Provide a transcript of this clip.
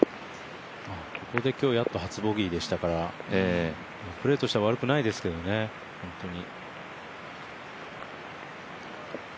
ここで今日やっと初ボギーでしたからプレーとしては悪くないですけどね、本当に。